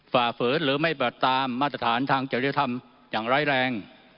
ฝ่าฝืนหรือไม่บัดตามมาตรฐานทางจริยธรรมอย่างร้ายแรง